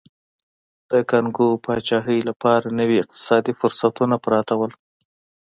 د کانګو پاچاهۍ لپاره نوي اقتصادي فرصتونه پراته وو.